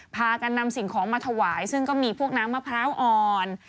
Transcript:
พากันนำสิ่งของมาถวายซึ่งก็มีพวกน้ำมะพร้าวอ่อน